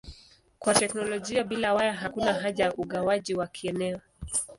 Kwa teknolojia bila waya hakuna haja ya ugawaji wa kieneo.